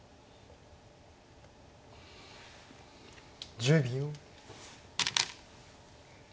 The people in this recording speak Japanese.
１０秒。